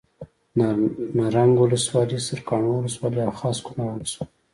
نرنګ ولسوالي سرکاڼو ولسوالي او خاص کونړ ولسوالي